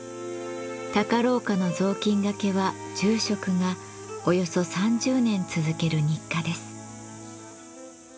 高廊下の雑巾がけは住職がおよそ３０年続ける日課です。